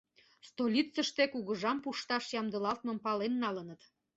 Столицыште кугыжам пушташ ямдылалтмым пален налыныт.